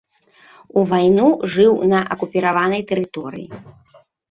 У вайну жыў на акупіраванай тэрыторыі.